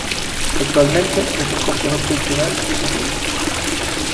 Actualmente es un complejo cultural y museístico.